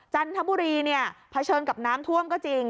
จันทบุรีเนี่ยเผชิญกับน้ำท่วมก็จริง